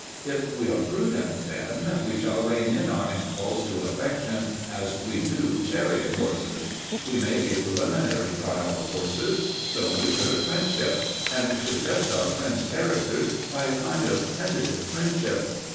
If we are prudent then, we shall rein in our impulse to affection as we do chariot horses. We make a preliminary trial of horses. So we should of friendship; and should test our friends' characters by a kind of tentative friendship.